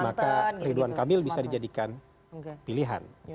maka ridwan kamil bisa dijadikan pilihan